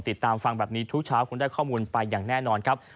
ติดตามฟังแบบนี้ทุกเช้าคงได้ข้อมูลไปอย่างแน่นอนครับ